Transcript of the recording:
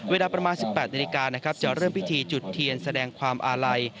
เวลาประมาณ๑๘นาฬิกานะครับจะเริ่มพิธีจุดเทียนแสดงความอาลัย